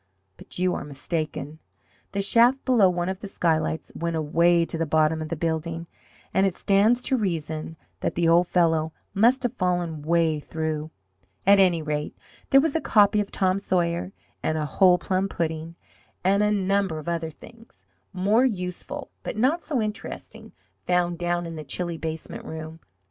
But you are mistaken. The shaft below one of the skylights went away to the bottom of the building, and it stands to reason that the old fellow must have fallen way through. At any rate there was a copy of "Tom Sawyer," and a whole plum pudding, and a number of other things, more useful but not so interesting, found down in the chilly basement room.